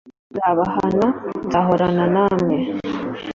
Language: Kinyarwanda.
nzabahana. nzahorana namwe